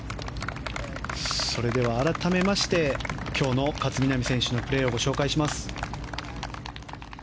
それでは改めまして今日の勝みなみ選手のプレーをご紹介します。